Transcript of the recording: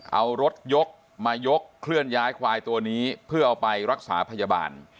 เอารถยกมายกเคลื่อนย้ายควายตัวนี้เพื่อเอาไปรักษาพยาบาล